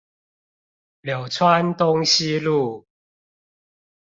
柳川東西路